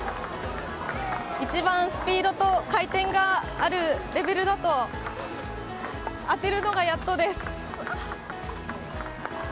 一番スピードと回転があるレベルだと、当てるのがやっとです。